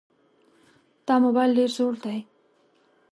دا موبایل ډېر زوړ دی.